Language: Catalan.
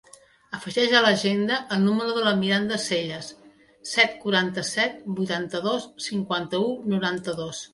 Afegeix a l'agenda el número de la Miranda Selles: set, quaranta-set, vuitanta-dos, cinquanta-u, noranta-dos.